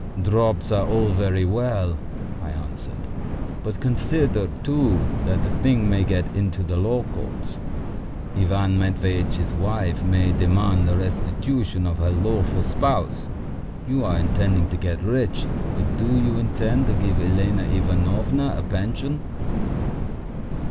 "Drops are all very well," I answered, "but consider, too, that the thing may get into the law courts. Ivan Matveitch's wife may demand the restitution of her lawful spouse. You are intending to get rich, but do you intend to give Elena Ivanovna a pension?"